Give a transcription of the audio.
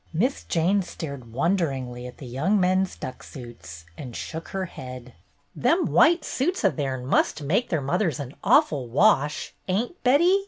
Miss Jane stared wonderingly at the young men's duck suits, and shook her head. "Them white suits o' theirn must make their mothers an awful wash, ain't, Betty?